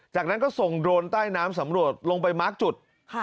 จากนั้นก็ส่งโดรนใต้น้ำสำรวจลงไปมาร์คจุด